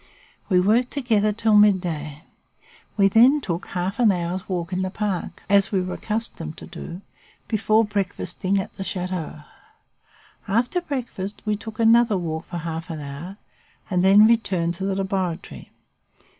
We worked together till midday. We then took half an hour's walk in the park, as we were accustomed to do, before breakfasting at the chateau. After breakfast, we took another walk for half an hour, and then returned to the laboratory.